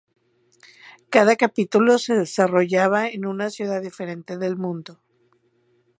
Cada capítulo se desarrollaba en una ciudad diferente del mundo.